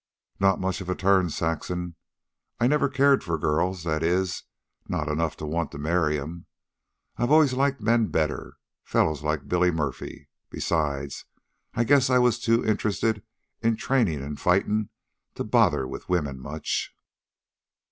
"Not much of a turn, Saxon. I've never cared for girls that is, not enough to want to marry 'em. I always liked men better fellows like Billy Murphy. Besides, I guess I was too interested in trainin' an' fightin' to bother with women much.